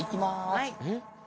はい。